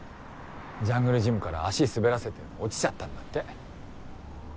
ジャングルジムから足滑らせて落ちちゃったんだって。